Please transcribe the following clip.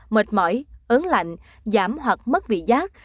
mệt mỏi ớn lạnh giảm hoặc mất vị giác